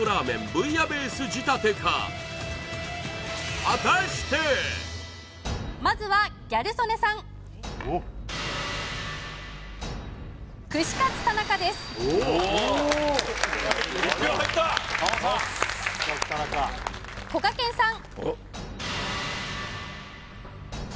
ブイヤベース仕立てかまずはギャル曽根さん１票入ったこがけんさん